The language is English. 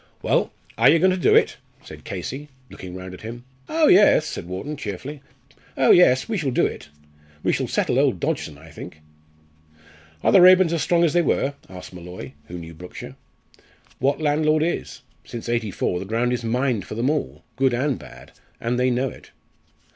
"Well, are you going to do it?" said Casey, looking round at him. "Oh, yes!" said Wharton, cheerfully; "oh, yes! we shall do it. We shall settle old Dodgson, I think." "Are the Raeburns as strong as they were?" asked Molloy, who knew Brookshire. "What landlord is? Since '84 the ground is mined for them all good and bad and they know it."